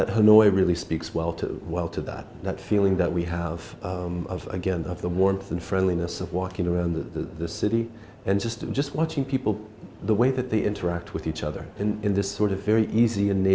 hà nội là một thành phố rất khác nhau với hà nội trong năm một nghìn chín trăm chín mươi chín